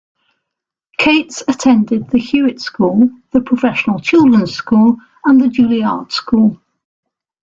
Cates attended the Hewitt School, the Professional Children's School, and the Juilliard School.